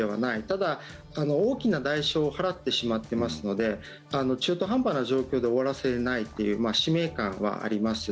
ただ、大きな代償を払ってしまっていますので中途半端な状況で終わらせないという使命感はあります。